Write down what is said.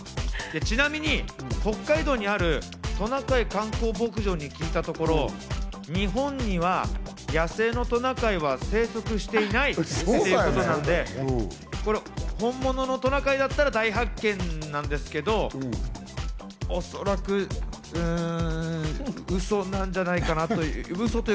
ちなみに北海道にあるトナカイ観光牧場に聞いたところ、日本には野生のトナカイは生息していないということなので、本物のトナカイだったら大発見なんですけど、おそらく、うん、ウソなんじゃないかなって。